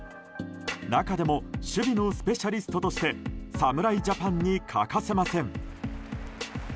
中でも守備のスペシャリストとして侍ジャパンに欠かせません。